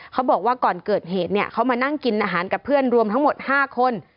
เขาบอกว่าก่อนเกิดเหตุเนี่ยเขามานั่งกินอาหารกับเพื่อนรวมทั้งหมด๕คน